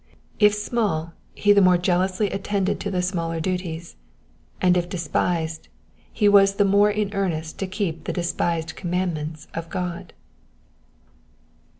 If small, he the more iealously attended to the smaller duties ; and if despised, he was the more m earnest to keep ^he despised commandments of God.